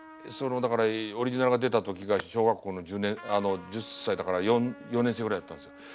そのだからオリジナルが出た時が小学校の１０歳だから４年生ぐらいだったんですよ。